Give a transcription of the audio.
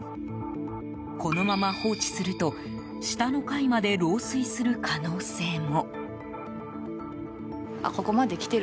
このまま放置すると下の階まで漏水する可能性も。